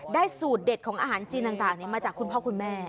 สูตรเด็ดของอาหารจีนต่างมาจากคุณพ่อคุณแม่